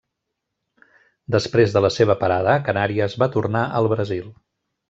Després de la seva parada a Canàries va tornar al Brasil.